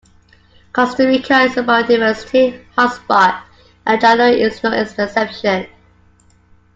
Costa Rica is a biodiversity hotspot and Alajuela is no exception.